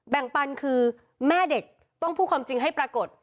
ปันคือแม่เด็กต้องพูดความจริงให้ปรากฏ